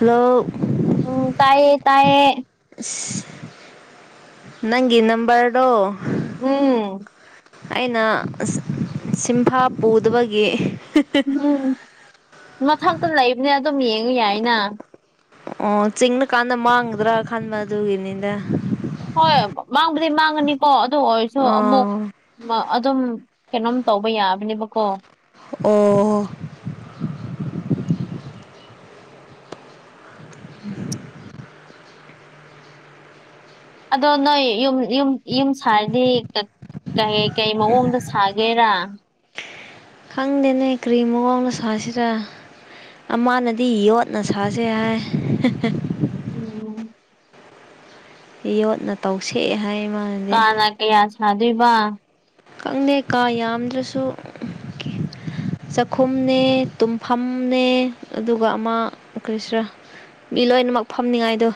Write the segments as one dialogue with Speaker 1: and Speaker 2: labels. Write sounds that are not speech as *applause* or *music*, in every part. Speaker 1: hello
Speaker 2: ꯎꯝ ꯇꯥꯏꯌꯦ ꯇꯥꯏꯌꯦ
Speaker 1: ꯅꯪꯒꯤ ꯅꯝꯕꯔꯗꯣ
Speaker 2: ꯎꯝ
Speaker 1: ꯑꯩꯅ ꯁꯤꯟꯐꯥ ꯄꯨꯗꯕꯒꯤ
Speaker 2: ꯎꯝ ꯃꯊꯛꯇ ꯂꯩꯕꯅꯦ ꯑꯗꯨꯝ ꯌꯦꯡꯉ ꯌꯥꯏꯅ
Speaker 1: ꯑꯣ ꯆꯤꯡꯅ ꯀꯥꯟꯗ ꯃꯥꯡꯒꯗ꯭ꯔꯥ ꯈꯟꯕ ꯑꯗꯨꯒꯤꯅꯤꯗ
Speaker 2: ꯍꯣꯏ ꯃꯥꯡꯕꯗꯤ ꯃꯥꯡꯉꯅꯤꯀꯣ ꯑꯗꯨ ꯑꯣꯏꯔꯁꯨ ꯑꯃꯨꯛ
Speaker 1: ꯑꯣ
Speaker 2: ꯑꯗꯨꯝ ꯀꯩꯅꯣꯝ ꯇꯧꯕ ꯌꯥꯕꯅꯦꯕꯀꯣ
Speaker 1: ꯑꯣ *inaudible*
Speaker 2: ꯑꯗꯣ ꯅꯣꯏ ꯌꯨꯝ ꯌꯨꯝ ꯌꯨꯝ ꯁꯥꯔꯗꯤ ꯀꯩ ꯀꯩ ꯃꯑꯣꯡꯗ ꯁꯥꯒꯦꯔꯥ
Speaker 1: ꯈꯪꯗꯦꯅꯦ ꯀꯔꯤ ꯃꯑꯣꯡꯗ ꯁꯥꯁꯤꯔ ꯑꯃꯥꯅꯗꯤ ꯌꯣꯠꯅ ꯁꯥꯁꯦ ꯍꯥꯏ
Speaker 2: ꯎꯝ
Speaker 1: ꯌꯣꯠꯅ ꯇꯧꯁꯦ ꯍꯥꯏ ꯃꯥꯅꯗꯤ
Speaker 2: ꯀꯥꯅ ꯀꯌꯥ ꯁꯥꯗꯣꯏꯕ
Speaker 1: ꯈꯪꯗꯦ ꯀꯥ ꯌꯥꯝꯗ꯭ꯔꯁꯨ ꯀ ꯆꯥꯛꯈꯨꯝꯅꯦ ꯇꯨꯝꯐꯝꯅꯦ ꯑꯗꯨꯒ ꯑꯃ ꯀꯔꯤꯁꯤꯔꯥ ꯃꯤ ꯂꯣꯏꯅꯃꯛ ꯐꯝꯅꯤꯉꯥꯏꯗꯣ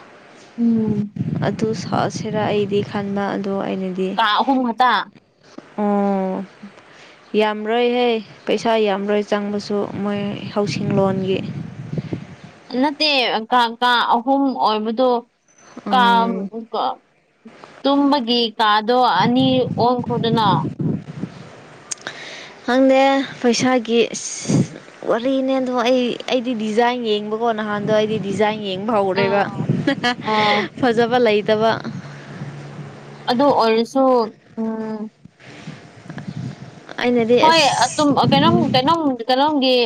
Speaker 2: ꯎꯝ
Speaker 1: ꯑꯗꯨꯨ ꯁꯥꯁꯦꯔ ꯑꯩꯗꯤ ꯈꯥꯟꯕ
Speaker 2: ꯀꯥ ꯑꯍꯨꯝ ꯈꯛꯇ
Speaker 1: ꯎꯝ ꯌꯥꯝꯔꯣꯏꯍꯦ ꯄꯩꯁꯥ ꯌꯥꯝꯔꯣꯏ ꯆꯪꯕꯁꯨ ꯃꯣꯏ ꯍꯧꯁꯤꯡꯂꯣꯟꯒꯤ *unintelligible*
Speaker 2: ꯅꯠꯇꯦ ꯀꯥ ꯀꯥ ꯑꯍꯨꯝ ꯑꯣꯏꯕꯗꯣ
Speaker 1: ꯎꯝ
Speaker 2: *inaudible* ꯇꯨꯝꯕꯒꯤ ꯀꯥꯗꯣ ꯑꯅꯤ ꯑꯣꯟꯈ꯭ꯔꯣꯗꯅ
Speaker 1: ꯈꯪꯗꯦ ꯄꯩꯁꯥꯒꯤ ꯑꯁ ꯋꯥꯔꯤꯅꯦ ꯑꯗꯣ ꯑꯩ ꯑꯩꯗꯤ ꯗꯤꯖꯥꯏꯟ ꯌꯦꯡꯕ ꯍꯣ ꯅꯍꯥꯟꯗ ꯑꯩꯗꯤ ꯗꯤꯖꯥꯏꯟ ꯌꯦꯡꯕ ꯍꯧꯔꯦꯕ
Speaker 2: ꯑꯥ
Speaker 1: ꯍ ꯍ
Speaker 2: ꯑꯥ
Speaker 1: ꯐꯖꯕ ꯂꯩꯇꯕ
Speaker 2: ꯑꯗꯣ ꯑꯣꯏꯔꯁꯨ ꯎꯝ
Speaker 1: ꯑꯩꯅꯗꯤ
Speaker 2: ꯍꯣꯏ ꯑꯗꯨꯝ
Speaker 1: ꯑꯁ
Speaker 2: ꯀꯩꯅꯣꯝ ꯀꯩꯅꯣꯝ ꯀꯩꯅꯣꯝꯒꯤ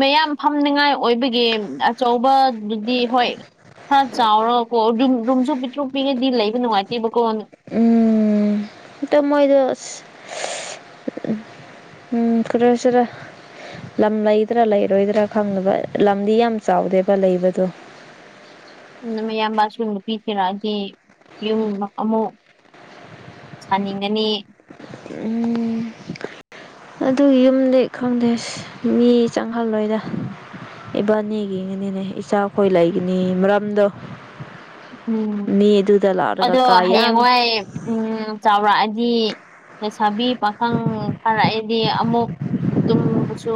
Speaker 2: ꯃꯌꯥꯝ ꯐꯝꯅꯤꯉꯥꯏ ꯑꯣꯏꯕꯒꯤ ꯑꯆꯧꯕꯗꯨꯗꯤ ꯍꯣꯏ ꯈ ꯆꯥꯎꯔꯒꯀꯣ ꯔꯨꯝ ꯔꯨꯝꯁꯨ ꯄꯤꯇ꯭ꯔꯨꯛ ꯄꯤꯛ ꯑꯗꯤ ꯂꯩꯕ ꯅꯨꯡꯉꯥꯏꯇꯦꯕ
Speaker 1: ꯎꯝ ꯇ ꯃꯣꯏꯗꯣ ꯑꯁ ꯎꯝ ꯀ꯭ꯔꯦꯁꯗ ꯂꯝ ꯂꯩꯗ꯭ꯔꯥ ꯂꯩꯔꯣꯏꯗ꯭ꯔꯥ ꯈꯪꯅꯕ ꯂꯝꯗꯤ ꯌꯥꯝ ꯆꯥꯎꯗꯦꯕ ꯂꯩꯕꯗꯣ *unintelligible*
Speaker 2: ꯌꯥꯝꯕꯁꯨꯨꯝ ꯄꯤꯁꯤꯔꯛꯑꯗꯤ ꯌꯨꯝ ꯑꯃꯨꯛ ꯁꯥꯅꯤꯡꯉꯅꯤ
Speaker 1: ꯎꯝ ꯑꯗꯨ ꯌꯨꯝꯗꯤ ꯈꯪꯗꯦ ꯃꯤ ꯆꯪꯍꯜꯂꯣꯏꯗ ꯏꯕꯥꯅꯤꯒꯤꯒꯅꯤꯅꯦ ꯏꯆꯥꯈꯣꯏ ꯂꯩꯒꯅꯤ ꯃꯔꯝꯗꯣ
Speaker 2: ꯎꯝ
Speaker 1: ꯃꯤ ꯑꯗꯨꯗ ꯂꯥꯛꯂꯒ
Speaker 2: ꯑꯗꯣ
Speaker 1: ꯀꯥ ꯌꯥꯝ
Speaker 2: ꯍꯌꯦꯡꯋꯥꯏ ꯎꯝ ꯆꯥꯎꯔꯛꯑꯗꯤ ꯂꯩꯁꯥꯕꯤ ꯄꯥꯈꯪ ꯐꯥꯔꯛꯑꯗꯤ ꯑꯃꯨꯛ ꯇꯨꯝꯕꯁꯨ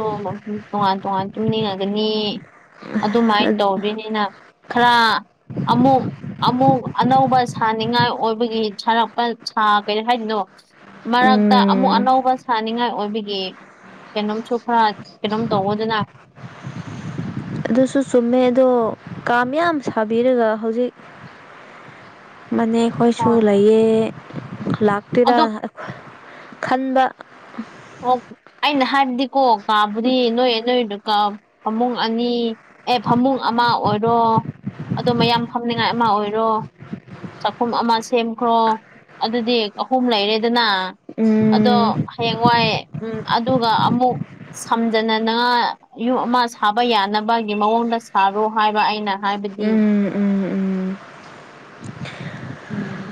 Speaker 2: ꯇꯣꯉꯥꯟ ꯇꯣꯉꯥꯟ ꯇꯨꯝꯅꯤꯡꯉꯒꯅꯤ ꯑꯗꯨꯃꯥꯏꯅ ꯇꯧꯗꯣꯏꯅꯤꯅ ꯈꯔ ꯑꯃꯨꯛ ꯑꯃꯨꯛ ꯑꯅꯧꯕ ꯁꯥꯅꯤꯡꯉꯥꯏ ꯑꯣꯏꯕꯒꯤ ꯁꯥꯔꯛꯄ ꯁꯥ ꯀꯔꯤ ꯍꯥꯏꯗꯅꯣ ꯃꯔꯛꯇ ꯑꯃꯨꯛ
Speaker 1: ꯎꯝ
Speaker 2: ꯑꯅꯧꯕ ꯁꯅꯤꯡꯉꯥꯏ ꯑꯣꯏꯕꯤ ꯀꯩꯅꯣꯝꯁꯨ ꯈꯔ ꯀꯩꯅꯣꯝ ꯇꯧꯗꯅ
Speaker 1: ꯑꯗꯨꯁꯨ ꯆꯨꯝꯃꯦ ꯑꯗꯣ ꯀꯥꯌꯥꯝ ꯁꯥꯕꯤꯔꯒ ꯍꯧꯖꯤꯛ ꯃꯅꯤ ꯑꯩꯣꯏꯁꯨ
Speaker 2: ꯍꯣꯏ
Speaker 1: ꯂꯩꯌꯦ ꯂꯥꯛꯇꯦꯔꯥ
Speaker 2: ꯑꯗꯣ
Speaker 1: ꯈꯟꯕ
Speaker 2: ꯑꯣ ꯑꯩꯅ ꯍꯥꯏꯕꯗꯤꯀꯣ ꯀꯥꯕꯨꯗꯤ ꯅꯣꯏ ꯅꯣꯏꯗꯨ ꯄꯃꯨꯡ ꯑꯅꯤ ꯑꯦ ꯐꯃꯨꯡ ꯑꯃ ꯑꯣꯏꯔꯣ ꯑꯣ ꯃꯌꯥꯝ ꯐꯝꯅꯤꯉꯥꯏ ꯑꯃ ꯑꯣꯏꯔꯣ ꯆꯥꯛꯈꯨꯝ ꯑꯃ ꯁꯦꯝꯈ꯭ꯔꯣ ꯑꯗꯨꯗꯤ ꯑꯍꯨꯝ ꯂꯩꯔꯦꯗꯅ ꯑꯗꯣ
Speaker 1: ꯎꯝ
Speaker 2: ꯍꯌꯦꯡꯋꯥꯏꯑꯦ ꯎꯝ ꯑꯗꯨꯒ ꯑꯃꯨꯛ ꯁꯝꯖꯅꯅꯥ ꯌꯨꯝ ꯑꯃ ꯁꯥꯕ ꯌꯥꯅꯕꯒꯤ ꯃꯑꯣꯡꯗ ꯁꯥꯔꯣ ꯍꯥꯏꯕ ꯑꯩꯅ ꯍꯥꯏꯕꯗꯤ
Speaker 1: ꯎꯝ ꯎꯝ ꯎꯝ
Speaker 2: ꯎꯝ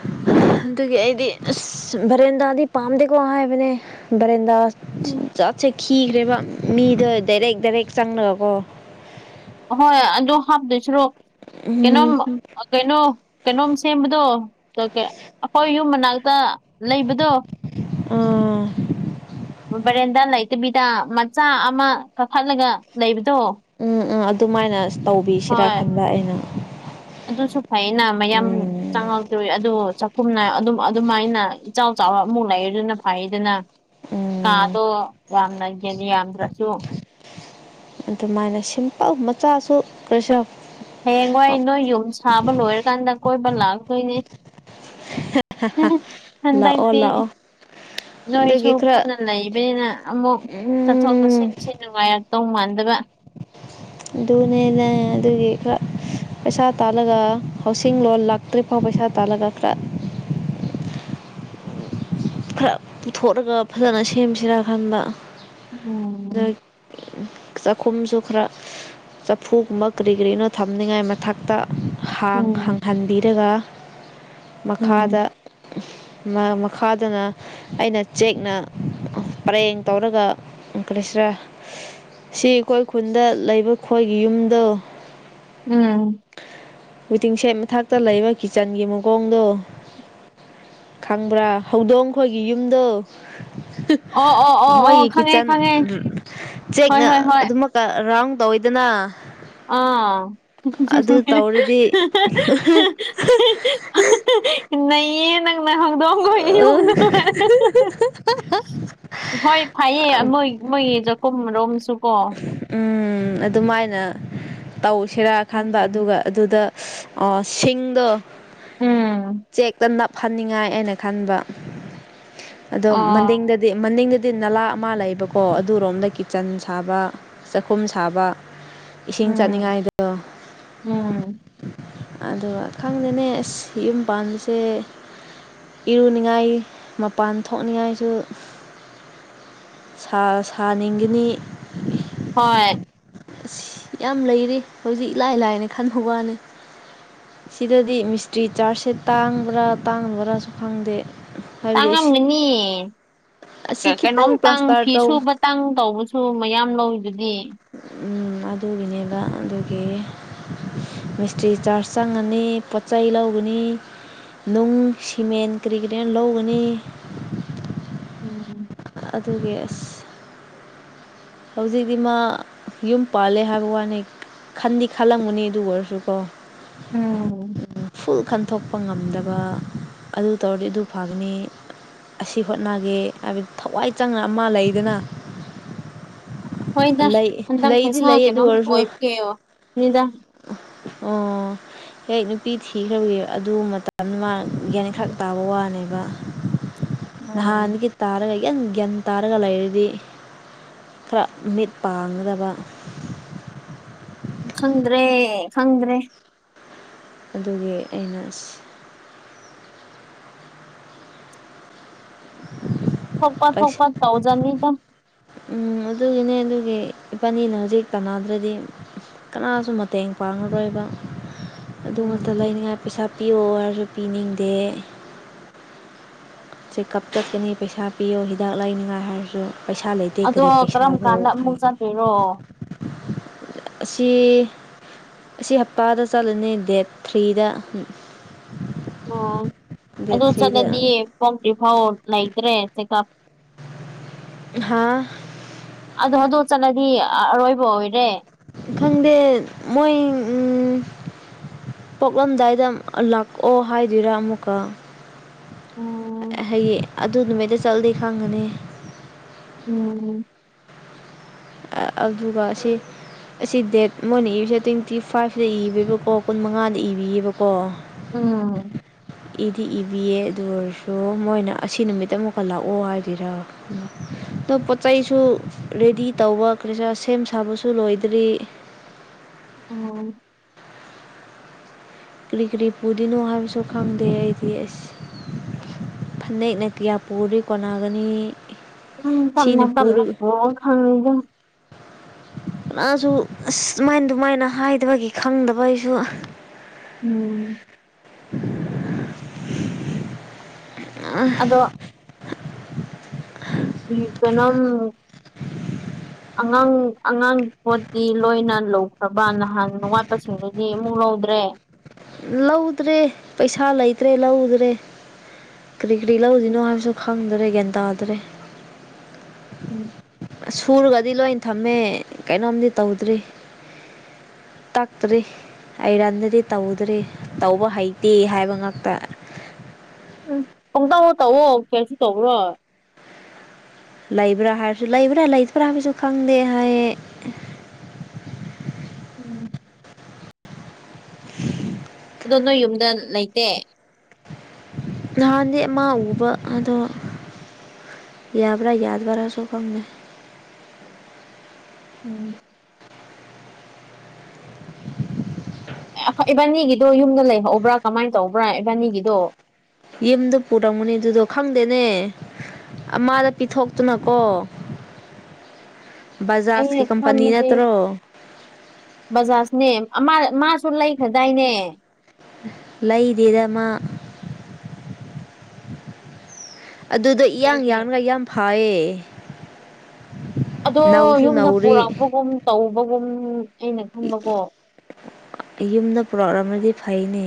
Speaker 1: ꯑꯗꯨꯒꯤ ꯑꯩꯗꯤ ꯑꯁ ꯕꯔꯤꯦꯟꯗꯥꯗꯤ ꯄꯥꯝꯗꯦꯀꯣ ꯍꯥꯏꯕꯅꯦ ꯕꯔꯦꯟꯗꯥ ꯆꯠꯁꯦ ꯈꯤꯈ꯭ꯔꯦꯕ ꯃꯤꯗꯣ ꯗꯥꯏꯔꯦꯛ ꯗꯥꯏꯔꯦꯛ ꯆꯪꯉꯒꯀꯣ
Speaker 2: ꯍꯣꯏ ꯑꯗꯣ ꯍꯥꯞꯇꯣꯏꯁꯤꯔꯣ
Speaker 1: ꯎ
Speaker 2: ꯀꯩꯅꯣꯝ ꯀꯩꯅꯣ ꯀꯩꯅꯣꯝ ꯁꯦꯝꯕꯗꯣ ꯑꯩꯈꯣꯏ ꯌꯨꯝ ꯃꯅꯥꯛꯛꯇ ꯇ ꯂꯩꯕꯗꯣ
Speaker 1: ꯎꯥ
Speaker 2: ꯕꯔꯦꯟꯗꯥ ꯂꯩꯇꯕꯤꯗ ꯃꯆꯥ ꯑꯃ ꯀꯥꯈꯠꯂꯒ ꯂꯩꯕꯗꯣ
Speaker 1: ꯇꯨꯃꯥꯏꯅ
Speaker 2: ꯍꯣꯏ ꯑꯗꯨꯁꯨ ꯐꯩꯅ ꯃꯌꯥꯝ
Speaker 1: ꯎꯝ
Speaker 2: ꯆꯪꯉꯛꯇꯣꯏꯔꯤ ꯑꯗꯨ ꯁꯨꯝꯅ ꯑꯗꯨꯝ ꯑꯗꯨꯃꯥꯏꯅ ꯏꯆꯥꯎ ꯆꯥꯎꯕ ꯑꯃꯨꯛ ꯂꯩ ꯑꯗꯨꯅ ꯐꯩꯗꯅ
Speaker 1: ꯎꯝ
Speaker 2: ꯀꯥꯗꯣ ꯌꯥꯝꯅꯒꯜꯂꯤ ꯌꯥꯝꯗ꯭ꯔꯁꯨ
Speaker 1: ꯑꯗꯨꯃꯥꯏꯅ ꯁꯤꯝꯄꯜ ꯃꯆꯥꯁꯨ ꯀꯔꯤꯁꯨ
Speaker 2: ꯍꯌꯦꯡꯋꯥꯏ ꯅꯣꯏ ꯌꯨꯝ ꯁꯥꯕ ꯂꯣꯏꯔꯀꯥꯟꯗ ꯀꯣꯏꯕ ꯂꯥꯛꯇꯣꯏꯅꯦ
Speaker 1: ꯂꯥꯛꯑꯣ
Speaker 2: ꯊꯗꯗꯤ
Speaker 1: ꯂꯥꯛꯑꯣ
Speaker 2: ꯅꯣꯏꯁꯨ
Speaker 1: ꯑꯗꯨꯒꯤ ꯈꯔ
Speaker 2: ꯀꯨꯅ ꯂꯩꯕꯅꯤꯅ ꯑꯃꯨꯛ ꯆꯠꯊꯣꯛ
Speaker 1: ꯎꯝ
Speaker 2: ꯆꯠꯁꯤꯟꯁꯤ ꯅꯨꯡꯉꯥꯏꯔꯦ ꯇꯧ ꯃꯥꯟꯗꯕ
Speaker 1: ꯑꯗꯨꯣꯅꯅ ꯑꯗꯨꯒꯤ ꯄꯩꯁꯥ ꯇꯥꯜꯂꯒ ꯍꯥꯎꯁꯤꯡ ꯂꯣꯟ ꯂꯥꯛꯇ꯭ꯔꯤꯐꯥꯎ ꯄꯩꯁꯥ ꯇꯥꯜꯂꯒ ꯈꯔ ꯈꯔ ꯄꯨꯊꯣꯂꯒ ꯐꯖꯅ ꯁꯦꯝꯁꯤꯔꯥ ꯈꯟꯕ
Speaker 2: ꯎꯝ
Speaker 1: *unintelligible* ꯈꯨꯝꯁꯨ ꯈꯔ ꯆꯐꯨꯒꯨꯝꯕ ꯀꯔꯤ ꯀꯔꯤꯅꯣ ꯊꯝꯅꯤꯡꯉꯥꯏ ꯃꯊꯛꯇ ꯥꯡ
Speaker 2: ꯎꯝ
Speaker 1: ꯍꯥꯡꯍꯟꯕꯤꯔꯒ
Speaker 2: ꯎꯝ
Speaker 1: ꯃꯈꯥꯗ ꯃꯈꯥꯗꯅ ꯑꯩꯅ ꯆꯦꯛꯅ ꯄꯔꯦꯡ ꯇꯧꯔꯒꯪꯀꯂꯤꯁꯔ ꯁꯤ ꯑꯩꯈꯣꯏ ꯈꯨꯟꯗ ꯂꯩꯕ ꯈꯣꯏꯒꯤ ꯌꯨꯝꯗꯣ
Speaker 2: ꯎꯝ
Speaker 1: ꯋꯤꯇꯤꯡꯁꯦꯠ ꯃꯊꯥꯛꯛꯇ ꯂꯩꯕ ꯀꯤꯆꯟꯒꯤ ꯃꯈꯑꯣꯣꯡꯗꯣ ꯈꯪꯕ꯭ꯔꯥ ꯍꯧꯗꯣꯡ ꯈꯣꯏꯒꯤ ꯌꯨꯝꯗꯣ
Speaker 2: ꯑꯣ ꯑꯣ ꯑꯣ ꯑꯣ
Speaker 1: ꯃꯣꯏꯒꯤ
Speaker 2: ꯈꯪꯉꯦ
Speaker 1: ꯀꯤꯠꯆꯟ
Speaker 2: ꯈꯪꯉꯦ ꯍꯣꯏ
Speaker 1: ꯆꯦꯛꯅ
Speaker 2: ꯍꯣꯏ ꯍꯣꯏ
Speaker 1: ꯑꯗꯨꯝꯃꯛꯀ ꯔꯥꯎꯟ ꯇꯧꯋꯗꯅ
Speaker 2: ꯑꯥ ꯁꯁ
Speaker 1: ꯑ
Speaker 2: ꯍꯪꯗꯣꯡꯒ ꯏ ꯎꯅ ꯇ ꯍꯣꯏ ꯐꯩꯌꯦ ꯃꯣꯏ ꯃꯣꯏꯒꯤ ꯆꯥꯛꯀꯨꯝ ꯔꯣꯝꯁꯨꯀꯣ
Speaker 1: ꯎꯝ ꯑꯗꯨꯃꯥꯏꯅ ꯇꯧꯁꯤꯔꯥ ꯈꯟꯕ
Speaker 2: ꯎꯝ
Speaker 1: ꯑꯗꯨꯒ ꯑꯗꯨꯗ ꯑ ꯁꯤꯡꯗꯣ
Speaker 2: ꯎꯝ
Speaker 1: ꯆꯦꯛꯛꯇ ꯅ ꯐꯅꯤꯡꯉꯥꯏ ꯍꯥꯏꯅ ꯈꯟꯕ ꯑꯗꯣ
Speaker 2: ꯑꯣ
Speaker 1: ꯃꯗꯗꯤ ꯃꯅꯤꯡꯗꯗꯤ ꯇꯤꯟ ꯅꯂꯥ ꯑꯃ ꯂꯩꯕꯀꯣ ꯑꯗꯨꯔꯣꯝꯗ ꯀꯤꯠꯆꯟ ꯁꯥꯕ ꯆꯥꯛꯈꯨꯝ ꯁꯥꯕ ꯏꯁꯤꯡ ꯆꯠꯅꯤꯡꯉꯥꯏꯗ
Speaker 2: ꯎ
Speaker 1: ꯑꯗꯨꯒ ꯈꯪꯗꯦꯅꯦ ꯑꯁ ꯌꯨꯝ ꯄꯥꯟꯕꯁꯦ ꯏꯔꯨꯅꯤꯉꯥꯏ ꯃꯄꯥꯟ ꯊꯣꯛꯅꯤꯡꯉꯥꯏꯁꯨ ꯁꯥꯅꯤꯡꯒꯅꯤ
Speaker 2: ꯍꯣꯏ
Speaker 1: ꯌꯥꯝ ꯂꯩꯔꯤ ꯍꯧꯖꯤꯛ ꯏꯂꯥꯏ ꯂꯥꯏꯅ ꯈꯟꯕ ꯋꯥꯅꯤ ꯁꯤꯗꯗꯤ ꯃꯤꯁꯇ꯭ꯔꯤ ꯆꯥꯔꯖꯁꯦ ꯇꯥꯡꯕ꯭ꯔꯥ ꯇꯥꯡꯕ꯭ꯔꯥꯁꯨ ꯈꯪꯗꯦ ꯍꯥꯏꯕꯗꯤ
Speaker 2: ꯇꯥꯡꯉꯝꯒꯅꯤ
Speaker 1: ꯑꯁꯤ ꯈꯤꯇꯪ
Speaker 2: ꯀꯩꯅꯣꯝꯇꯪ
Speaker 1: ꯄ꯭ꯂꯥꯁꯇꯔ
Speaker 2: ꯐꯤ
Speaker 1: ꯇꯧ
Speaker 2: ꯁꯨꯕ ꯇꯥꯡ ꯇꯧꯕꯁꯨ ꯃꯌꯥꯝ ꯂꯧꯋꯤꯗꯨꯗꯤ
Speaker 1: ꯑꯗꯨꯒꯤꯅꯦꯕ ꯑꯗꯨꯒꯤ ꯃꯤꯁꯇ꯭ꯔꯤ ꯆꯥꯔꯖ ꯆꯪꯉꯅꯤ ꯄꯣꯠꯆ ꯆꯩ ꯂꯧꯒꯅꯤ ꯅꯨꯡ ꯁꯤꯃꯦꯟ ꯀꯔꯤ ꯀꯔꯤꯅ ꯂꯧꯒꯅꯤ
Speaker 2: ꯎꯝ
Speaker 1: ꯑꯗꯨꯒꯤ ꯑꯁ ꯍꯧꯖꯤꯛꯇꯤ ꯃꯥ ꯌꯨꯝ ꯄꯥꯜꯂꯦ ꯍꯥꯏꯕ ꯋꯥꯅꯤ ꯈꯟꯗꯤ ꯈꯜꯂꯝꯒꯅꯤ ꯑꯗꯨ ꯑꯣꯏꯔꯁꯨ ꯀꯣ
Speaker 2: ꯎꯝ
Speaker 1: ꯐꯨꯜ ꯈꯟꯊꯣꯛꯄ ꯉꯝꯗꯕ ꯑꯗꯨ ꯇꯧꯔꯗꯤ ꯑꯗꯨ ꯐꯒꯅꯤ ꯑꯁꯤ ꯍꯣꯠꯅꯒꯦ ꯍꯥꯏꯕꯗꯤ ꯊꯋꯥꯏ ꯆꯪꯅ ꯑꯃ ꯂꯩꯗꯅ
Speaker 2: ꯍꯣꯏꯗ
Speaker 1: ꯂꯩ
Speaker 2: ꯍꯟꯗꯛ
Speaker 1: ꯂꯩꯗꯤ
Speaker 2: ꯄꯩꯁꯥ
Speaker 1: ꯂꯩ ꯑꯗꯨ ꯑꯗꯨ
Speaker 2: ꯀꯩꯅꯣꯝ
Speaker 1: ꯑꯣꯏꯔꯁꯨ
Speaker 2: ꯑꯣꯏꯕꯒꯤꯑꯣ ꯅꯤꯗ
Speaker 1: ꯑꯣ ꯍꯦꯛ ꯅꯨꯄꯤ ꯊꯤꯈ꯭ꯔꯕꯤ ꯑꯗꯨ ꯃꯇꯝꯗꯨ ꯃꯥ ꯌꯥꯒꯅꯤ ꯈꯔ ꯇꯥꯕ ꯋꯥꯅꯦꯕ
Speaker 2: ꯎꯝ
Speaker 1: ꯅꯍꯥꯟꯗꯒꯤ ꯇꯥꯔꯒ ꯒꯌꯥꯟ ꯒ꯭ꯌꯥꯟ ꯇꯥꯔꯒ ꯂꯩꯔꯗꯤ ꯈꯔ ꯃꯤꯠ ꯄꯥꯡꯒꯗꯕ
Speaker 2: ꯈꯪꯗ꯭ꯔꯦ ꯈꯪꯗ꯭ꯔꯦ
Speaker 1: ꯑꯗꯨꯒꯤ ꯑꯩꯅ
Speaker 2: ꯊꯣꯛꯄ ꯊꯣꯛꯄ ꯇꯧꯖꯅꯤꯗ
Speaker 1: ꯑꯗꯨꯒꯤꯅꯦ ꯑꯗꯨꯒꯤ ꯏꯕꯥꯅꯤꯅ ꯍꯧꯖꯤꯛ ꯄꯅꯥꯗ꯭ꯔꯗꯤ ꯀꯅꯥꯁꯨ ꯃꯇꯦꯡ ꯄꯥꯡꯉꯔꯣꯏꯕ ꯑꯗꯨꯃꯛꯇ
Speaker 2: ꯎꯝ
Speaker 1: ꯂꯩꯅꯤꯡꯉꯥꯏ ꯄꯩꯁꯥ ꯄꯤꯌꯑꯣ ꯍꯥꯏꯔꯁꯨ ꯄꯤꯅꯤꯡꯗꯦ ꯆꯦꯛꯑꯞ ꯆꯠꯀꯅꯤ ꯄꯩꯁꯥ ꯄꯤꯌꯣ ꯍꯤꯗꯥꯛ ꯂꯩꯅꯤꯡꯉꯥꯏ ꯍꯥꯏꯔꯁꯨ ꯄꯩꯁꯥ ꯂꯩꯇꯦ
Speaker 2: ꯑꯗꯣ
Speaker 1: ꯀꯔꯤ
Speaker 2: ꯀꯔꯝ
Speaker 1: ꯄꯩꯁꯥꯅꯣ
Speaker 2: ꯀꯥꯟꯗ ꯑꯃꯨꯛ ꯆꯠꯇꯣꯏꯔꯣ
Speaker 1: ꯑꯁꯤ ꯑꯁꯤ ꯍꯞꯄꯥꯗ ꯆꯠꯂꯅꯤ ꯗꯦꯠ ꯊ꯭ꯔꯤꯗ
Speaker 2: ꯑꯣ
Speaker 1: ꯗꯦꯠ
Speaker 2: ꯑꯗꯨ
Speaker 1: ꯊ꯭ꯔꯤꯗ
Speaker 2: ꯆꯠꯂꯗꯤꯌꯦꯣꯝ ꯍꯥꯎ ꯂꯩꯇ꯭ꯔꯦꯁ ꯀꯞ
Speaker 1: ꯍꯥꯥ
Speaker 2: ꯑꯗꯨ ꯑꯗꯨꯗꯣ ꯆꯠꯂꯗꯤ ꯑꯔꯣꯏꯕ ꯑꯣꯏꯔꯦ
Speaker 1: ꯈꯪꯗꯦ ꯃꯣꯏ ꯄꯣꯛꯂꯝꯗꯥꯏꯗ ꯂꯥꯛꯑꯣ ꯍꯥꯏꯗꯣꯏꯔꯥ ꯑꯃꯨꯛꯀ
Speaker 2: ꯎꯝ
Speaker 1: ꯍꯌꯦꯡ ꯑꯗꯨ ꯅꯨꯃꯤꯠꯇ ꯆꯠꯂꯤ ꯈꯪꯒꯅꯤ
Speaker 2: ꯎꯝ
Speaker 1: ꯑꯗꯨꯒ ꯁꯤ ꯑꯁꯤ ꯗꯦꯠ ꯃꯣꯏꯅ ꯏꯔꯤꯁꯦ ꯇ꯭ꯋꯦꯟꯇꯤ ꯐꯥꯏꯚꯇ ꯏꯕꯤꯕꯀꯣ ꯀꯨꯟ ꯃꯉꯥꯗ ꯏꯕꯤꯌꯦꯕꯀꯣ
Speaker 2: ꯎꯝ
Speaker 1: ꯏꯗꯤ ꯏꯕꯤꯌꯦ ꯑꯗꯨ ꯑꯣꯏꯔꯁꯨ ꯃꯣꯏꯅ ꯑꯁꯤ ꯅꯨꯃꯤꯠ ꯑꯃꯨꯛꯀ ꯂꯥꯛꯑꯣ ꯍꯥꯏꯗꯨꯔꯥ ꯇ ꯄꯆꯥꯏꯁꯨ ꯔꯦꯗꯤ ꯇꯧꯕ ꯀꯩꯁꯥ ꯁꯦꯝ ꯁꯥꯕꯁꯨ ꯂꯣꯏꯗ꯭ꯔꯤ
Speaker 2: ꯎꯝ
Speaker 1: ꯀꯔꯤ ꯀꯔꯤ ꯄꯨꯗꯣꯏꯅꯣ ꯍꯥꯏꯕꯁꯨ ꯈꯪꯗꯦ ꯑꯩꯗꯤ ꯑꯁ ꯐꯅꯦꯛꯅ ꯀꯌꯥ ꯄꯨꯔꯤ ꯀꯣꯟꯅꯒꯅꯤ
Speaker 2: ꯎꯝ ꯇꯅ
Speaker 1: ꯁꯤꯅ
Speaker 2: ꯇꯅ
Speaker 1: ꯄꯨꯔ
Speaker 2: ꯑꯣ ꯈꯪꯗ
Speaker 1: ꯁꯨ ꯑꯁ ꯑꯗꯨꯨꯃꯥꯏꯅ ꯑꯗꯨꯃꯥꯏꯅ ꯍꯥꯏꯗꯕꯒꯤ ꯈꯪꯗꯕꯒꯤꯁꯨ
Speaker 2: ꯎꯝ ꯑꯗꯣ ꯍ ꯀꯅꯝ ꯑꯉꯥꯡ ꯑꯉꯥꯡ ꯄꯣꯠꯀꯤ ꯂꯣꯏꯅ ꯂꯧꯈ꯭ꯔꯕ ꯅꯍꯥꯟꯋꯥꯠꯄꯁꯤꯡꯗꯨꯗꯤ ꯑꯃꯨꯛ ꯂꯧꯗ꯭ꯔꯦ
Speaker 1: ꯂꯧꯗ꯭ꯔꯦ ꯄꯩꯁꯥ ꯂꯩꯇ꯭ꯔꯦ ꯂꯧꯗ꯭ꯔꯦ ꯀꯔꯤ ꯀꯔꯤ
Speaker 2: ꯎꯝ
Speaker 1: ꯂꯧꯗꯣꯏꯅꯣ ꯍꯥꯏꯕꯁꯨ ꯈꯪꯗ꯭ꯔꯦ ꯒ꯭ꯌꯥꯟ ꯇꯥꯗꯔꯦ
Speaker 2: ꯎꯝ
Speaker 1: ꯑꯁ ꯁꯨꯔꯒꯗꯤ ꯂꯣꯏ ꯊꯝꯃꯦ ꯀꯩꯅꯣꯝꯗꯤ ꯇꯧꯗ꯭ꯔꯤ ꯇꯥꯇꯔꯤ ꯑꯩ ꯔꯟꯗꯗꯤ ꯇꯧꯗ꯭ꯔꯦ ꯇꯧꯕ ꯍꯩꯇꯦ ꯍꯥꯏꯕ ꯉꯥꯛꯇ
Speaker 2: ꯎꯝ ꯄꯪꯇꯥꯎ ꯇꯧꯑꯣꯣ ꯀꯩꯁꯨ ꯇꯧꯕ꯭ꯔꯣ
Speaker 1: ꯂꯩꯕ꯭ꯔꯥ ꯍꯥꯏꯔꯁꯨ ꯂꯩꯕ꯭ꯔꯥ ꯂꯩꯇꯕ꯭ꯔꯥ ꯍꯥꯏꯕꯁꯨ ꯈꯪꯗꯦ ꯍꯥꯏ *inaudible*
Speaker 2: ꯎꯝ
Speaker 1: *inaudible*
Speaker 2: ꯑꯗꯣ ꯅꯣꯏ ꯌꯨꯝꯗ ꯂꯩꯇꯦ
Speaker 1: ꯅꯍꯥꯟꯗꯤ ꯑꯃ ꯎꯕ ꯑꯗꯣ ꯌꯥꯕ ꯌꯥꯗꯕꯔꯁꯨꯣ ꯀꯝꯃꯦ
Speaker 2: ꯎꯝ ꯣꯏ ꯏꯕꯥꯅꯤꯒꯤꯗꯣ ꯌꯨꯝꯗ ꯂꯩꯍꯧꯕ꯭ꯔꯥ ꯀꯃꯥꯏꯅ ꯇꯧꯕ꯭ꯔꯥ ꯏꯕꯥꯅꯤꯒꯤꯗꯣ
Speaker 1: ꯌꯨꯝꯗ ꯄꯨꯔꯝꯒꯅꯤ ꯑꯗꯨꯗꯣ ꯈꯪꯗꯦꯅꯦ ꯑꯃꯥꯗ ꯄꯤꯊꯣꯛꯇꯨꯅꯀꯣ
Speaker 2: ꯑ ꯈꯝꯗꯤ ꯖꯥꯖꯅꯦ ꯑ ꯃꯥꯁꯨ ꯂꯩꯈꯗꯥꯏꯅꯦ
Speaker 1: ꯂꯩꯗꯤꯗꯃ ꯑꯗꯨꯗ ꯏꯌꯥꯡ
Speaker 2: ꯂꯩꯗꯦ
Speaker 1: ꯌꯥꯡꯒ ꯌꯥꯝ ꯐꯥꯏꯌꯦ
Speaker 2: ꯑꯗꯣ ꯌꯨꯝꯗ ꯄꯨꯔꯛꯄꯒꯨꯝ ꯇꯧꯕꯒꯨꯝ ꯑꯩꯅ ꯈꯨꯝꯕꯀꯣ
Speaker 1: ꯌꯨꯝꯗ ꯄꯨꯔꯛꯂꯃꯗꯤ ꯐꯩꯅꯦ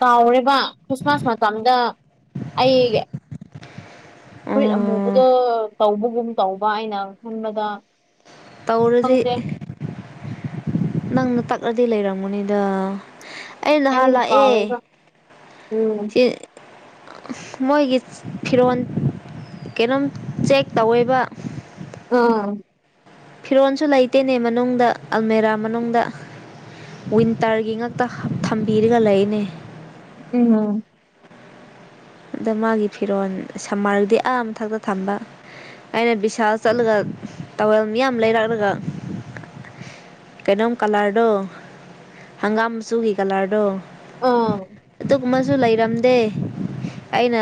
Speaker 2: ꯀꯥꯎꯔꯤꯕ ꯈ꯭ꯔꯤꯁꯃꯥꯁ ꯃꯇꯝꯗ ꯑꯩ ꯐꯨꯔꯤꯠ
Speaker 1: ꯑꯣ
Speaker 2: ꯑꯃꯨꯕꯗꯣ ꯇꯧꯕꯒꯨꯝ ꯇꯧꯕ ꯑꯩꯅ ꯍꯨꯟꯕꯗ
Speaker 1: ꯇꯋꯔꯗꯤ ꯅꯪꯅ ꯇꯛꯂꯗꯤ ꯂꯩꯔꯝꯒꯨꯅꯤꯗ ꯑꯩ ꯅꯍꯥꯟ ꯂꯥꯛꯑꯦ
Speaker 2: ꯎꯝ
Speaker 1: ꯃꯣꯏꯒꯤ ꯐꯤꯔꯣꯜ ꯀꯩꯅꯣꯝ ꯆꯦꯛ ꯇꯧꯋꯦꯕ
Speaker 2: ꯑꯥ
Speaker 1: ꯐꯤꯔꯣꯜꯁꯨ ꯂꯩꯇꯦꯅꯦ ꯃꯅꯨꯡꯗ ꯑꯜꯃꯦꯔꯥ ꯃꯅꯨꯡꯗ ꯋꯤꯟꯇꯔꯒꯤ ꯉꯛꯇ ꯊꯝꯕꯤꯔꯒ ꯂꯩꯅꯦ
Speaker 2: ꯎꯝ
Speaker 1: ꯑꯗ ꯃꯥꯒꯤ ꯐꯤꯔꯣꯜ ꯁꯝꯃꯔꯒꯗꯤ ꯑ ꯃꯊꯛꯇ ꯊꯝꯕ ꯑꯩꯅ ꯕꯤꯁꯥꯜ ꯆꯠꯂꯒ ꯇꯥꯕꯜ ꯃꯤꯌꯥꯝ ꯂꯩꯔꯛꯂꯒ ꯀꯩꯅꯣꯝ ꯀꯂꯔꯗꯣ ꯍꯪꯒꯥꯝ ꯃꯆꯨꯒꯤ ꯀꯂꯔꯗꯣ
Speaker 2: ꯑꯥ
Speaker 1: ꯑꯃꯁꯨ ꯂꯩꯔꯝꯗꯦ ꯑꯩꯅ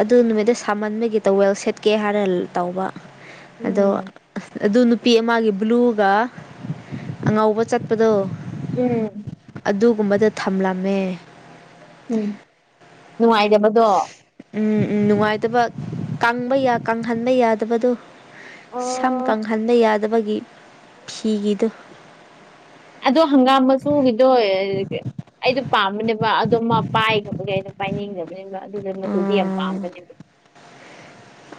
Speaker 1: ꯑꯗꯨ ꯅꯨꯃꯤꯠꯇ ꯁꯥꯃꯟꯕꯒꯤ ꯇꯋꯦꯜ ꯁꯦꯠꯀꯦ ꯍꯥꯏꯔ ꯇꯧꯕ ꯑꯗꯣ
Speaker 2: ꯎꯝ
Speaker 1: ꯑꯗꯨ ꯅꯨꯅꯥꯄꯤ ꯑꯃꯒꯤ ꯕ꯭ꯂꯨꯒ ꯑꯉꯧꯕ ꯆꯠꯄꯗꯣ
Speaker 2: ꯎꯝ
Speaker 1: ꯑꯗꯨꯒꯨꯝꯕꯗ ꯊꯝꯂꯝꯃꯦ
Speaker 2: ꯎꯝ ꯅꯨꯡꯉꯥꯏꯇꯕꯗꯣ
Speaker 1: ꯎ ꯅꯨꯡꯉꯥꯏꯇꯕ ꯀꯪꯕ ꯌꯥ ꯀꯪꯍꯟꯕ ꯌꯥꯗꯕꯗꯣ ꯁꯝ
Speaker 2: ꯑꯣ
Speaker 1: ꯀꯪꯍꯟꯕ ꯌꯥꯗꯕꯒꯤ ꯐꯤꯒꯤꯗꯨ
Speaker 2: ꯑꯗꯣ ꯍꯪꯒꯥꯝ ꯃꯆꯨꯒꯤꯗꯣ ꯑꯩꯗꯣ ꯄꯥꯝꯕꯅꯦꯕ ꯋꯥ ꯑꯗꯨꯣꯃ ꯄꯥꯏ ꯈꯣꯠꯄꯒꯤ ꯑꯩꯅ ꯄꯥꯏꯅꯤꯡꯗꯕꯅꯤꯕ ꯑꯗꯨꯗ ꯃꯨꯗꯤ ꯌꯥꯝ
Speaker 1: ꯑꯥ
Speaker 2: ꯄꯥꯝꯕꯅꯦꯕ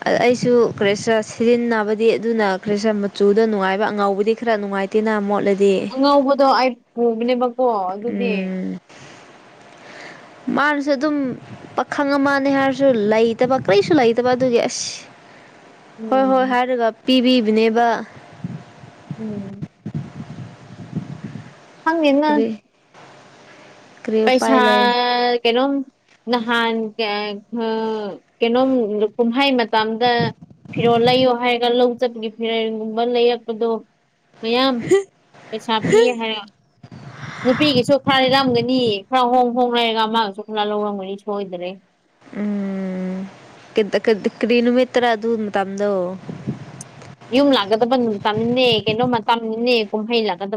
Speaker 1: ꯑꯩꯁꯨ ꯈꯔꯤꯁꯔꯥ ꯁꯤꯖꯤꯟꯅꯕꯗꯤ ꯑꯗꯨꯅ ꯈ꯭ꯔꯤꯁꯔ ꯃꯆꯨꯗ ꯅꯨꯡꯉꯥꯏꯕ ꯑꯉꯥꯎꯕꯗꯤ ꯈꯔ ꯅꯨꯡꯉꯥꯏ *unintelligible*
Speaker 2: ꯑꯉꯧꯕꯗꯣ ꯑꯩ ꯄꯨꯕꯅꯦꯕꯀꯣ ꯑꯗꯨꯗꯤ
Speaker 1: *unintelligible* ꯃꯥꯅꯁꯨ ꯑꯗꯨꯝ ꯄꯥꯈꯪ ꯃꯥꯜꯅꯦ ꯍꯥꯏꯔꯁꯨ ꯂꯩꯇꯕ ꯀꯔꯤꯁꯨ ꯂꯩꯇꯕ ꯑꯗꯨꯒꯤ ꯑꯁ ꯍꯣꯏ ꯍꯣꯏ
Speaker 2: ꯎꯝ
Speaker 1: ꯍꯥꯏꯔꯒ ꯄꯤꯕꯤꯕꯅꯦꯕ
Speaker 2: ꯎꯝ ꯍꯪꯦꯟꯅ
Speaker 1: ꯀꯔꯤ ꯀꯔꯤ ꯎꯄꯥꯏ
Speaker 2: ꯄꯩꯁꯥ
Speaker 1: ꯂꯩ
Speaker 2: ꯀꯩꯅꯣ ꯅꯍꯥꯟ ꯀꯩꯅꯣꯝ ꯀꯨꯝꯍꯩ ꯃꯇꯝꯗ ꯐꯤꯔꯣꯜ ꯂꯩꯌꯣ ꯍꯥꯏꯔꯒ ꯂꯧ ꯆꯕꯒꯤ ꯐꯤꯔꯜꯒꯨꯝꯕ ꯂꯩꯔꯛꯄꯗꯣ ꯃꯌꯥꯝ ꯄꯩꯁꯥ ꯄꯤꯌꯦ ꯍꯥꯏꯔ ꯅꯨꯄꯤꯒꯤꯁꯨ ꯐꯥꯔꯦꯔꯒ ꯈꯔ ꯍꯣꯡ ꯍꯣꯡ ꯂꯩꯔꯒ ꯃꯥꯒꯁꯨ ꯈꯔ ꯂꯧꯔꯝꯒꯅꯤ ꯁꯣꯏꯗ꯭ꯔꯦ
Speaker 1: ꯎꯝ ꯀ ꯀꯗꯤ ꯀꯔꯤꯅ ꯃꯇꯔꯥ ꯑꯗꯨ ꯃ ꯇꯝꯗꯣ
Speaker 2: ꯌꯨꯝ ꯂꯥꯛꯀꯗꯕ ꯅꯨꯃꯤꯅꯤꯅꯦ ꯀꯩꯅꯣꯝꯃ ꯃꯇꯝꯅꯤꯅꯤꯅꯦ ꯀꯨꯝꯍꯩ ꯂꯥꯛꯀꯗꯕ